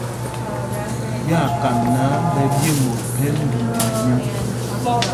Ɓyaa kam náǎ ɓɛ ɓye mot phɛl ndumɛ nɛ nēn.